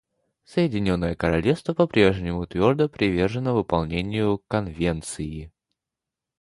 Соединенное Королевство по-прежнему твердо привержено выполнению Конвенции.